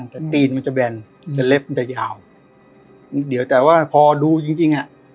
แต่ตีนมันจะแบนจะเล็บมันจะยาวเดี๋ยวแต่ว่าพอดูจริงจริงอ่ะ